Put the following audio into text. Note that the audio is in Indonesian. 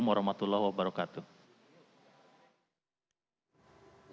wa'alaikum warahmatullahi wabarakatuh